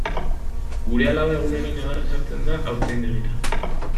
Gure alaba egunero negarrez sartzen da haurtzaindegira.